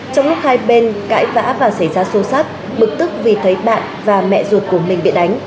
trong lúc hai bên cãi vã và xảy ra xô sát bực tức vì thấy bạn và mẹ ruột của mình bị đánh